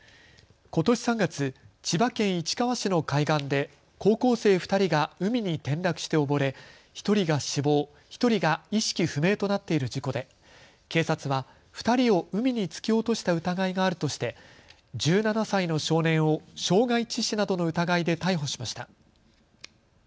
ことし３月、千葉県市川市の海岸で高校生２人が海に転落して溺れ１人が死亡、１人が意識不明となっている事故で警察は２人を海に突き落とした疑いがあるとして１７歳の少年を傷害致死などの疑いで逮捕しました。